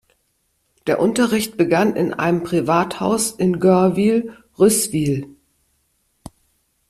Der Unterricht begann in einem Privathaus in Görwihl-Rüßwihl.